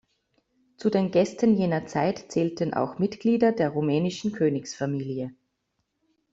Zu den Gästen jener Zeit zählten auch Mitglieder der rumänischen Königsfamilie.